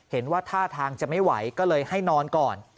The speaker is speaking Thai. เห็นว่าท่าทางจะไม่ไหวก็เลยให้นอนก่อน